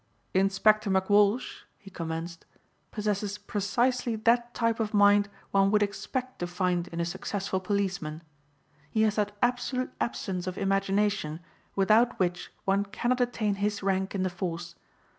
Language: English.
"Inspector McWalsh," he commenced, "possesses precisely that type of mind one would expect to find in a successful policeman. He has that absolute absence of imagination without which one cannot attain his rank in the force.